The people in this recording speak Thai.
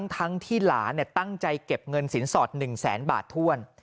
ทั้งที่หลานตั้งใจเก็บเงินสินสอด๑แสนบาทถ้วน